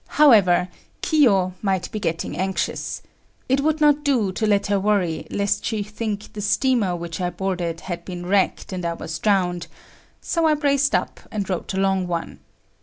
However, Kiyo might be getting anxious. It would not do to let her worry lest she think the steamer which I boarded had been wrecked and I was drowned,—so I braced up and wrote a long one.